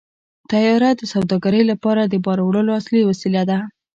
طیاره د سوداګرۍ لپاره د بار وړلو اصلي وسیله ده.